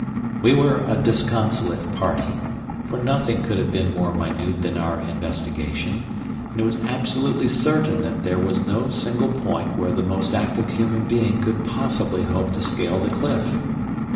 We were a disconsolate party, for nothing could have been more minute than our investigation, and it was absolutely certain that there was no single point where the most active human being could possibly hope to scale the cliff.